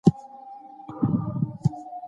ډيجيټلي رسنۍ د پوهاوي خپرولو لپاره اغېزمن رول لري.